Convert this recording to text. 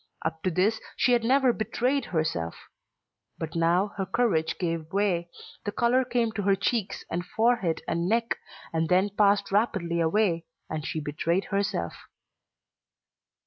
Up to this she had never betrayed herself. But now her courage gave way, the colour came to her cheeks and forehead and neck, and then passed rapidly away, and she betrayed herself.